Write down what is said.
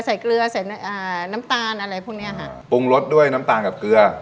เกลือใส่อ่าน้ำตาลอะไรพวกเนี้ยค่ะปรุงรสด้วยน้ำตาลกับเกลือ